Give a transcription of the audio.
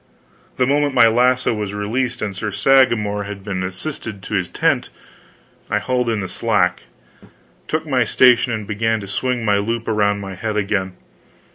The moment my lasso was released and Sir Sagramor had been assisted to his tent, I hauled in the slack, took my station and began to swing my loop around my head again.